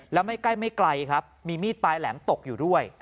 แล้วไม่ใกล้ไม่ไกลครับมีมีดปลายแหลมตกอยู่ด้วย